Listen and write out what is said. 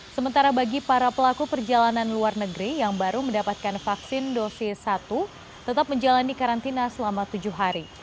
sementara bagi para pelaku perjalanan luar negeri yang baru mendapatkan vaksin dosis satu tetap menjalani karantina selama tujuh hari